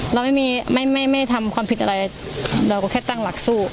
เราไม่มีไม่ทำความผิดอะไรเราก็แค่ตั้งหลักสู้